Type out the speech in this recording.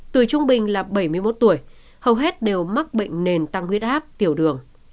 từ trung bình là bảy mươi một tuổi hầu hết đều mắc bệnh nền tăng huyết áp tiểu đường